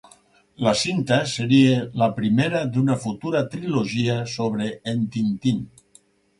La cinta seria la primera d'una futura trilogia sobre en Tintín.